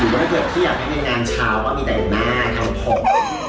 หรือว่าเธอที่อยากให้ในงานเช้ามีแต่หน้าเท้าพร้อม